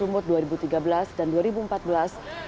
pengesahan apbd sumut dua ribu tiga belas dan dua ribu empat belas